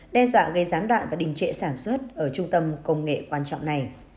đe dọa gây gián đoạn và đình trệ sản xuất ở trung tâm công nghệ quan trọng này